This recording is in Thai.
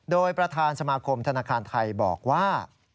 โดยประธานสมาคมธนาคารไทยบอกว่า